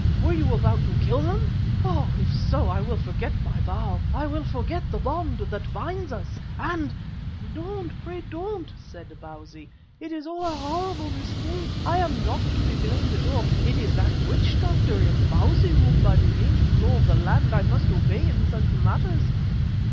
Were you about to kill them? Oh! if so, I will forget my vow, I will forget the bond that binds us and " "Don't, pray don't," said Bausi. "It is all a horrible mistake; I am not to be blamed at all. It is that witch doctor, Imbozwi, whom by the ancient law of the land I must obey in such matters.